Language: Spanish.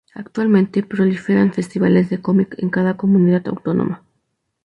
Actualmente, proliferan festivales de cómic en cada comunidad autónoma.